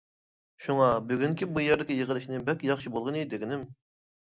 شۇڭا بۈگۈنكى بۇ يەردىكى يىغىلىشنى بەك ياخشى بولغىنى، دېگىنىم.